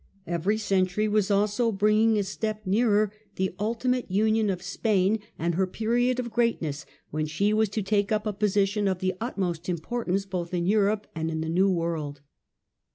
Every century also was bringing a step nearer the ultimate 254 THE END OF THE MIDDLE AGE union of Spain and her period of greatness, when she was to take up a position of the utmost importance both in Europe and in the New World.